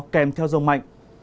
kèm theo rông mạnh